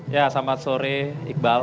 ya selamat sore iqbal